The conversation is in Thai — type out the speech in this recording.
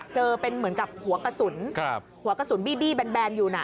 เจอเป็นเหมือนกับหัวกระสุนหัวกระสุนบีบี้แบนอยู่น่ะ